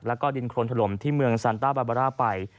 แล้วก็ดินโครนถล่มที่เมืองซันต้าบาบาร่าไป